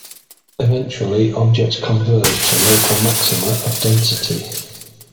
Eventually, objects converge to local maxima of density.